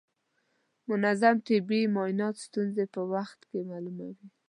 منظم طبي معاینات ستونزې په وخت کې معلوموي.